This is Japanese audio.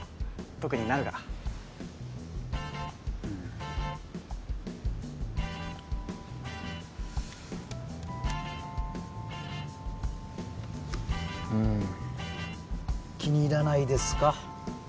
特になるがうん気に入らないですか？